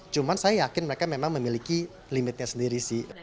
cuma saya yakin mereka memang memiliki limitnya sendiri sih